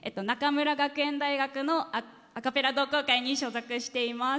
大学のアカペラ同好会に所属しています。